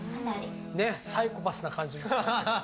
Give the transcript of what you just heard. サイコパスな感じも。